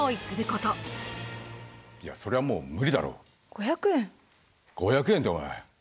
５００円っておい。